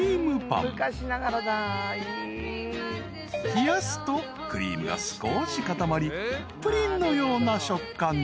［冷やすとクリームが少し固まりプリンのような食感に］